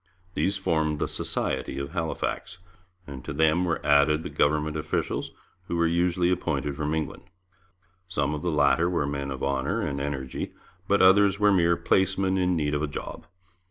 These formed the 'Society' of Halifax, and to them were added the government officials, who were usually appointed from England. Some of the latter were men of honour and energy, but others were mere placemen in need of a job.